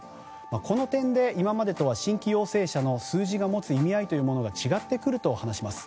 この点で、今までとは新規陽性者の数字が持つ意味合いは違ってくると話します。